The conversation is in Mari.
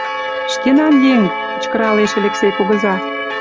Шкенан еҥ! — кычкыралеш Элексей кугыза.